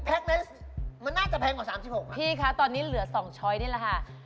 อันนี้ก็ต้องเหลือ๒ละ๑๒๓๖